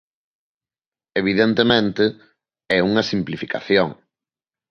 Evidentemente, é unha simplificación.